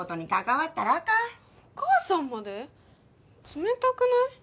冷たくない？